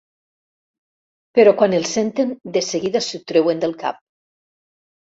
Però quan el senten de seguida s'ho treuen del cap.